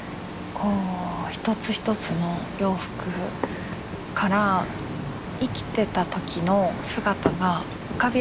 こう一つ一つの洋服から生きてた時の姿が浮かび上がってくるような。